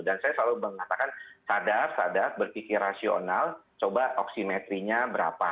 dan saya selalu mengatakan sadar sadar berpikir rasional coba oksimetrinya berapa